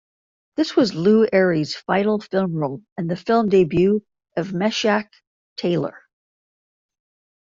This was Lew Ayres' final film role and the film debut of Meshach Taylor.